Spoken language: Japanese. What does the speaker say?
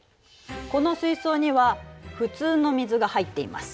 この水槽には普通の水が入っています。